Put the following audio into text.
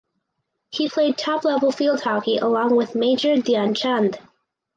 He played top level field hockey along with major Dhyan Chand.